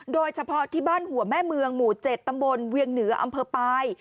โดยเฉพาะที่บ้านหัวแม่เมืองหมู่๗ตำบลเวียงเหนืออำเภอปลาย